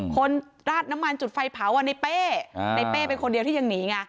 ราดน้ำมันจุดไฟเผาในเป้ในเป้เป็นคนเดียวที่ยังหนีไง